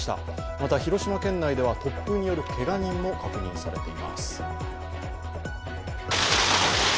また、広島県内では突風によるけが人も確認されています。